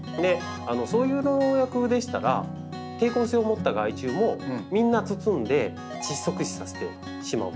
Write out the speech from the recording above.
そういう薬剤でしたら抵抗性をもった害虫もみんな包んで窒息死させてしまう。